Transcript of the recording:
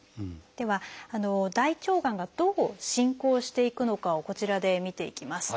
では大腸がんがどう進行していくのかをこちらで見ていきます。